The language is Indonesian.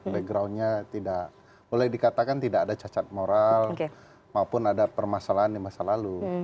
backgroundnya tidak boleh dikatakan tidak ada cacat moral maupun ada permasalahan di masa lalu